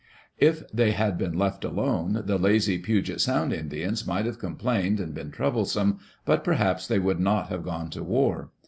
If they had been left alone, the lazy Puget Sound Indians might have complamed and been troublesome, but perhaps they would not have gone to war.